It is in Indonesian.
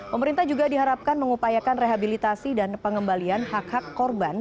pemerintah juga diharapkan mengupayakan rehabilitasi dan pengembalian hak hak korban